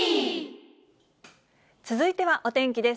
続いてはお天気です。